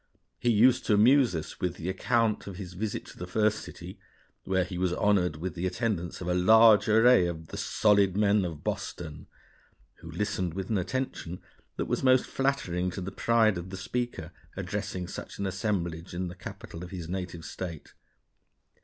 He used to amuse us with the account of his visit to the first city, where he was honored with the attendance of a large array of "the solid men of Boston," who listened with an attention that was most flattering to the pride of the speaker addressing such an assemblage in the capital of his native State.